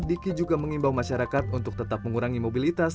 diki juga mengimbau masyarakat untuk tetap mengurangi mobilitas